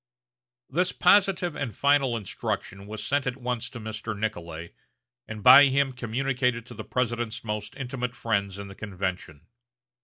This positive and final instruction was sent at once to Mr. Nicolay, and by him communicated to the President's most intimate friends in the convention.